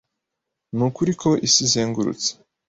Nukuri ko isi izengurutse.